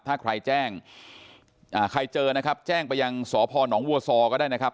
ถ้าใครแจ้งใครเจอนะครับแจ้งไปยังสพนวัวซอก็ได้นะครับ